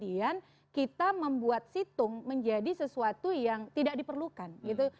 tetapi bukan kemudian kita membuat situng menjadi sesuatu yang tidak diperlukan